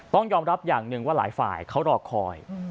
ต้องยอมรับอย่างหนึ่งว่าหลายฝ่ายเขารอคอย